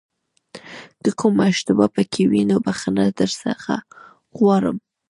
که کومه اشتباه پکې وي نو بښنه درڅخه غواړم.